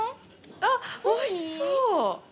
あっ、おいしそう！